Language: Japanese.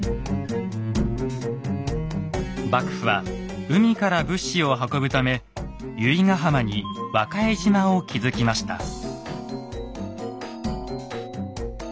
幕府は海から物資を運ぶため由比ガ浜に和賀江島を築きました。